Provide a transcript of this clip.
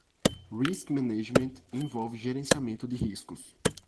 Risk Management envolve gerenciamento de riscos.